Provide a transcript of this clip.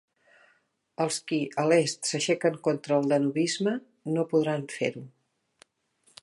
Els qui, a l'Est, s'aixequen contra el Danovisme, no podran fer-ho.